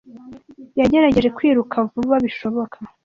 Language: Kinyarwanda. Yagerageje kwiruka vuba bishoboka.